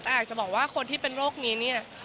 แต่อาจจะบอกว่าคนที่เป็นโรคนี้เนี่ย